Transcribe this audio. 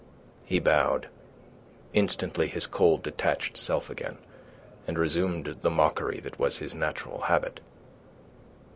He bowed, instantly his cold, detached self again, and resumed the mockery that was his natural habit.